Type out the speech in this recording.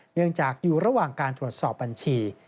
เนื่องจากอยู่ระหว่างการตรวจสอบบัญชี